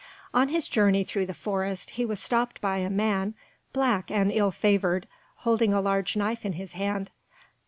On his journey through the forest he was stopped by a man black and ill favoured, holding a large knife in his hand.